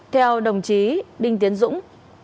theo đồng chí đinh tiến dũng